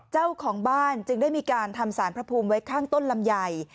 เจ้าของบ้านจึงได้มีการทำสารพระภูมิไว้ข้างต้นลำใหญ่